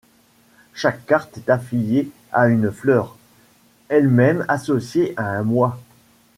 Chaque carte est affiliée à une fleur, elle-même associée à un mois.